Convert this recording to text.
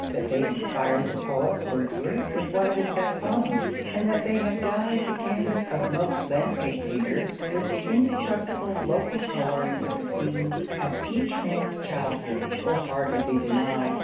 That they inspired the poet Wordsworth with one of his best poems, and that they have dyed the canvas of most landscape painters with the indestructible local coloring of the scenes of each man's childhood, will hardly be denied.